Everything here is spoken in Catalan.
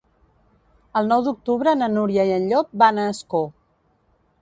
El nou d'octubre na Núria i en Llop van a Ascó.